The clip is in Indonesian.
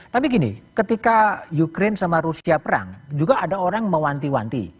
tapi gini ketika ukraine sama rusia perang juga ada orang mewanti wanti